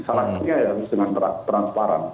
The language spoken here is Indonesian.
salahnya harus dengan transparan